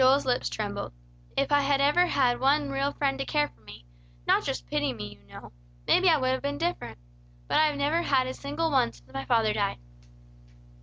Joel's lips trembled. "If I had ever had one real friend to care for me not just pity me, you know maybe I would have been different. But I have never had a single one since my father died."